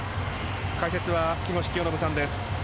解説は木越清信さんです。